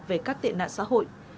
về các tiện nạn xã hội